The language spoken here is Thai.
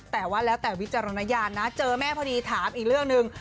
แต่ว่าแล้วแต่วิจารณญาณนะเจอแม่พอดีถามอีกเรื่องหนึ่ง